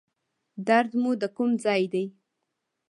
درد مو د کوم ځای دی؟